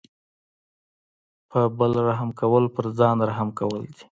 په بل رحم کول په ځان رحم کول دي.